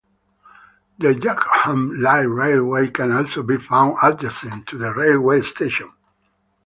The Yaxham Light Railway can also be found adjacent to the railway station.